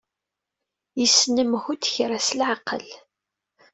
Yesnemhu-d kra s leɛqel.